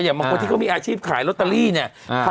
อย่างมันคนที่เขามีอาชีพขายล็อตเตอรี่เนี้ยอ่า